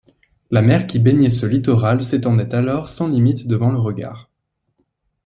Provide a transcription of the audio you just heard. La mer qui baignait ce littoral s’étendait alors sans limites devant le regard.